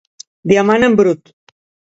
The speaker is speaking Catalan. Diamant en brut.